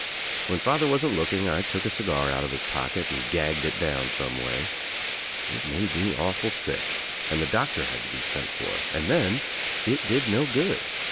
When father wasn't look ing I took a cigar out of his pocket and gagged it down some way. It made me awful sick and the doctor had to be sent for, and then it did no good.